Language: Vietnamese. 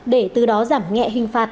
để từ đó giảm nghẹ hình phạt